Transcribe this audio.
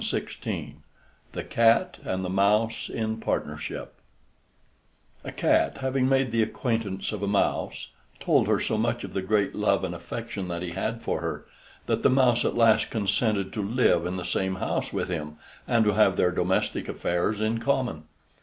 THE CAT AND THE MOUSE IN PARTNERSHIP A cat having made the acquaintance of a mouse, told her so much of the great love and affection that he had for her, that the mouse at last consented to live in the same house with him, and to have their domestic affairs in common.